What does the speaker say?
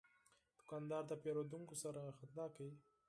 دوکاندار د پیرودونکو سره خندا کوي.